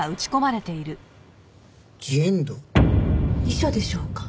遺書でしょうか？